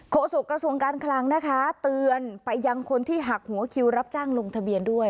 โศกระทรวงการคลังนะคะเตือนไปยังคนที่หักหัวคิวรับจ้างลงทะเบียนด้วย